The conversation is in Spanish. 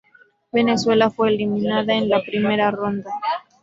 Venezuela fue eliminada en la primera ronda.